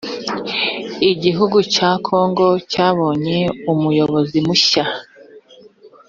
igihugu cya kongo cyabonye umuyobozi mu shya